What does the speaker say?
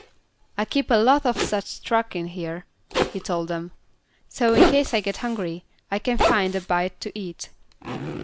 "I keep a lot of such truck in here," he told them. "So, in case I get hungry, I can find a bite to eat.